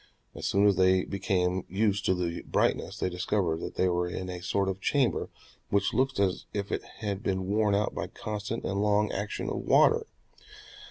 As soon as they became used to the brightness they discovered that they were in a sort of chamber which looked as if it had been worn out by constant and long action of water.